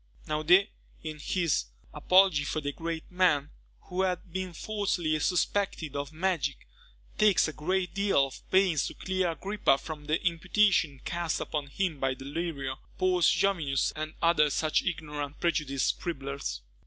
Naudé, in his "Apology for the great Men who have been falsely suspected of Magic," takes a great deal of pains to clear Agrippa from the imputations cast upon him by Delrio, Paulus Jovius, and other such ignorant and prejudiced scribblers.